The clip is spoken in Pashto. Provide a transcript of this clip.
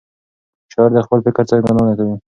شاعر د خپل فکر څرګندونه کوي.